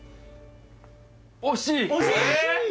惜しい？